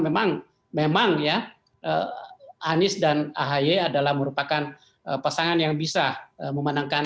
memang memang ya anies dan ahy adalah merupakan pasangan yang bisa memenangkan